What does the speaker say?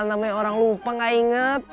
namanya orang lupa gak inget